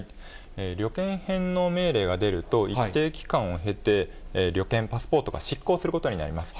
旅券返納命令が出ると、一定期間を経て、旅券、パスポートが失効することになります。